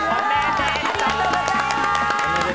ありがとうございます！